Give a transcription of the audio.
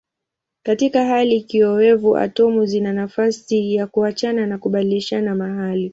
Katika hali kiowevu atomu zina nafasi ya kuachana na kubadilishana mahali.